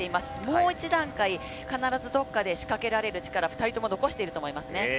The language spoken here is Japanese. もう一段階、必ずどっかで仕掛けられる力を２人とも残していると思います。